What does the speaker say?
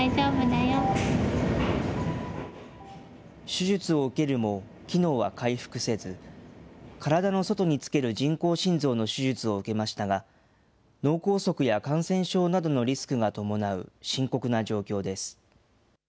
手術を受けるも機能は回復せず、体の外につける人工心臓の手術を受けましたが、脳梗塞や感染症などのリスクが伴う深刻な状況です。